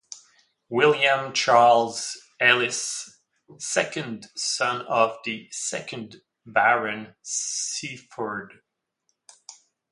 William Charles Ellis, second son of the second Baron Seaford.